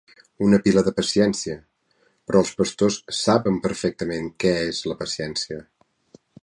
una pila de paciència, però els pastors saben perfectament què és la paciència.